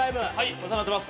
お世話になってます。